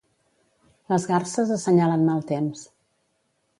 Les garses assenyalen mal temps.